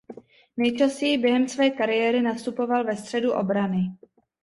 Nejčastěji během své kariéry nastupoval ve středu obrany.